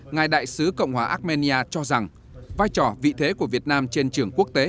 ngài đại sứ cộng hòa armenia cho rằng vai trò vị thế của việt nam trên trường quốc tế